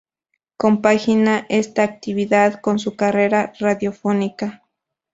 Compagina esa actividad con su carrera radiofónica.